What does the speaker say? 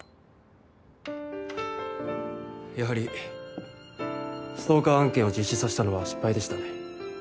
やはりストーカー案件を実施させたのは失敗でしたね。